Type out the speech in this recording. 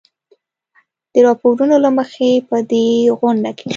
د راپورونو له مخې په دې غونډه کې